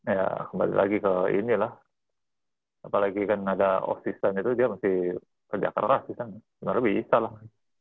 ya kembali lagi ke ini lah apalagi kan ada off season itu dia pasti kerja keras sih benar benar bisa lah